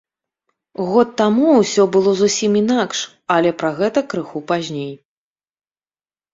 Год таму ўсё было зусім інакш, але пра гэта крыху пазней.